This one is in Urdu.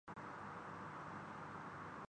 وہ نہایت متحرک اور فعال شخص ہیں۔